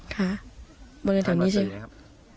ค่ะบริเวณทางนี้ใช่ไหมครับ